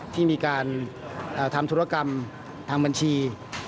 ที่มีการทำธุรกรรมทางบัญชี